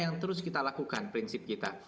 yang terus kita lakukan prinsip kita